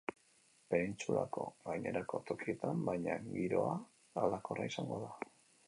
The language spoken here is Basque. Penintsulako gainerako tokietan, baina, giroa aldakorra izango da.